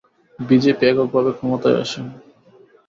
BJP এককভাবে ক্ষমতায় আসেন।